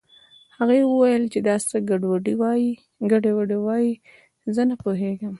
هغې وويل چې دا څه ګډې وډې وايې زه نه پوهېږم